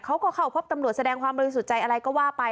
เขาก็เข้าพบตำรวจแสดงความบริสุทธิ์ใจอะไรก็ว่าไป